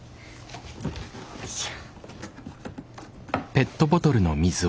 よいしょ。